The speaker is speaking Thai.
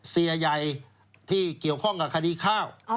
เสียใหญ่ที่เกี่ยวข้องกับคดีข้าว